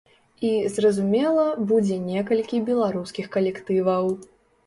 І, зразумела, будзе некалькі беларускіх калектываў.